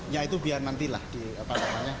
ya itu biar nantilah di apa namanya